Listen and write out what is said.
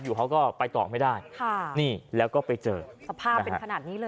เขาก็ไปต่อไม่ได้ค่ะนี่แล้วก็ไปเจอสภาพเป็นขนาดนี้เลย